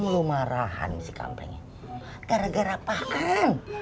lu marahan sih kampleng gara gara apa kan